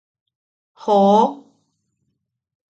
¡Joo!